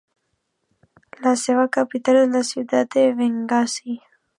La seva capital és la ciutat de Bengasi.